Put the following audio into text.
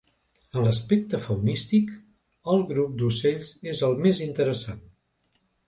En l'aspecte faunístic, el grup dels ocells és el més interessant.